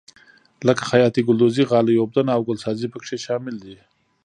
لکه خیاطي ګلدوزي غالۍ اوبدنه او ګلسازي پکې شامل دي.